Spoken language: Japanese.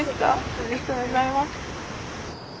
ありがとうございます。